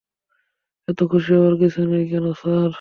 এত খুশি হবার কিছু নেই কেন স্যার?